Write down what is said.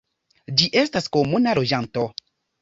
Ĝi estas komuna loĝanto.